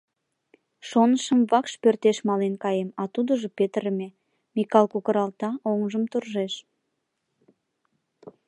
— Шонышым, вакш пӧртеш мален каем, а тудыжо петырыме, — Микал кокыралта, оҥжым туржеш.